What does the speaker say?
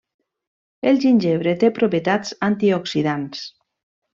El gingebre té propietats antioxidants.